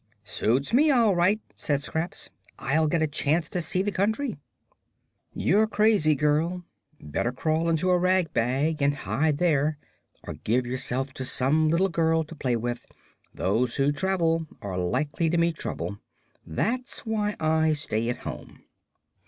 "Suits me all right," said Scraps. "I'll get a chance to see the country." "You're crazy, girl. Better crawl into a rag bag and hide there; or give yourself to some little girl to play with. Those who travel are likely to meet trouble; that's why I stay at home."